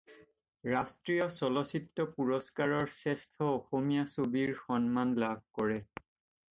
ৰাষ্ট্ৰীয় চলচ্চিত্ৰ পুৰস্কাৰৰ শ্ৰেষ্ঠ অসমীয়া ছবিৰ সন্মান লাভ কৰে।